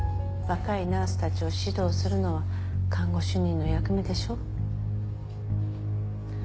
若いナースたちを指導するのが看護主任の役目でしょう？